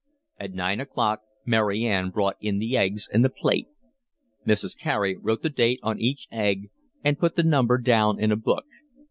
At nine o'clock Mary Ann brought in the eggs and the plate. Mrs. Carey wrote the date on each egg and put the number down in a book.